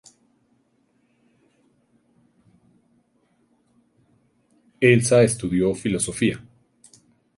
Elsa estudió filosofía.